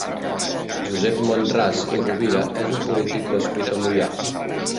Josep Montràs i Rovira és un polític nascut a Moià.